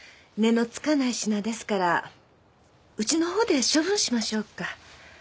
値の付かない品ですからうちの方で処分しましょうか？